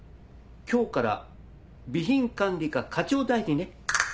今日から備品管理課課長代理ね。